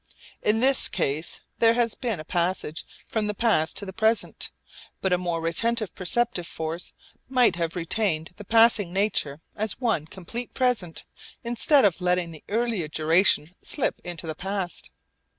In this case there has been a passage from the past to the present, but a more retentive perceptive force might have retained the passing nature as one complete present instead of letting the earlier duration slip into the past.